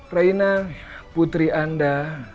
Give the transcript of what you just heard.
raina putri anda